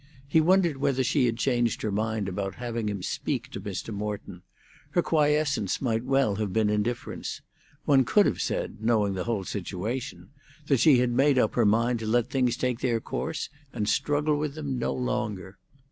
He wondered whether she had changed her mind about having him speak to Mr. Morton; her quiescence might well have been indifference; one could have said, knowing the whole situation, that she had made up her mind to let things take their course, and struggle with them no longer.